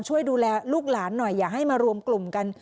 ช่วยดูแลลูกหลานหน่อยอย่าให้มารวมกลุ่มกัน